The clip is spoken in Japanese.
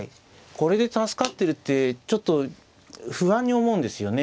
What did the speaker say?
これで助かってるってちょっと不安に思うんですよね